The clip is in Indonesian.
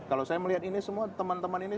kalau saya melihat ini semua teman teman ini